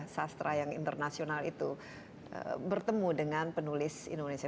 sastra yang internasional itu bertemu dengan penulis indonesia